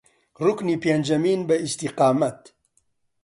ڕوکنی پێنجەمین بە ئیستیقامەت